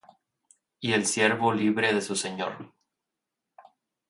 Y el siervo libre de su señor.